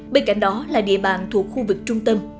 bên cạnh đó là địa bàn thuộc khu vực trung tâm